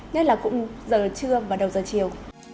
nhất là cũng giờ trưa và đầu giờ chiều